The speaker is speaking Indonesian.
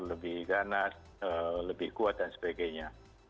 lebih ganas lebih kuat dan sebagainya